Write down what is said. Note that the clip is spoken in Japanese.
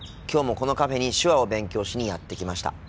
今日もこのカフェに手話を勉強しにやって来ました。